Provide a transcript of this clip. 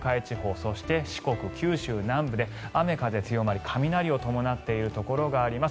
そして四国、九州南部で雨、風が強まり雷を伴っているところがあります。